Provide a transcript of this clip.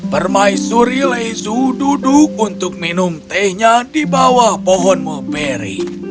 permaisuri lezu duduk untuk minum tehnya di bawah pohon muberi